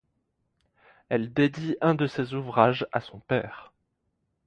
Elle dédie un de ses ouvrages à son père.